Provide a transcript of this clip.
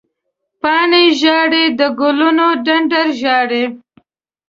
پاڼې ژاړې، د ګلونو ډنډر ژاړې